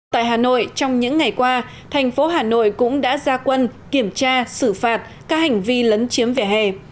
tại hà nội trong những ngày qua thành phố hà nội cũng đã ra quân kiểm tra xử phạt các hành vi lấn chiếm vỉa hè